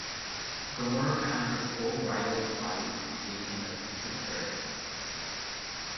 Gomurr found his old rival's body, and gave him a decent burial.